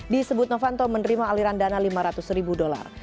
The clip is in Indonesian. disebut novanto menerima aliran dana lima ratus ribu dolar